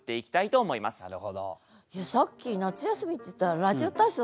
さっき夏休みっていったら「ラジオ体操」